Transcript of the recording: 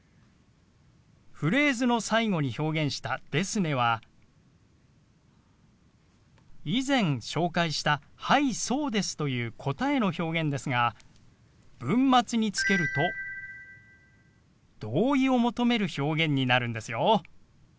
フレーズの最後に表現した「ですね」は以前紹介した「はいそうです」という答えの表現ですが文末につけると同意を求める表現になるんですよ。